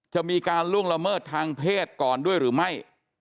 จะมีการล่วงละเมิดทางเพศก่อนด้วยหรือไม่